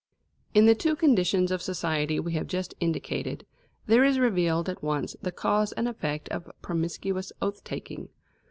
In the two conditions of society we have just indicated, there is revealed at once the cause and effect of promiscuous oath taking.